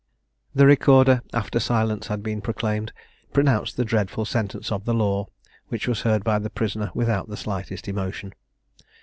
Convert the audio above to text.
The Recorder, after silence had been proclaimed, pronounced the dreadful sentence of the law, which was heard by the prisoner without the slightest emotion.